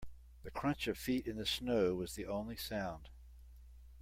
The crunch of feet in the snow was the only sound.